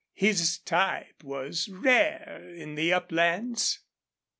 His type was rare in the uplands.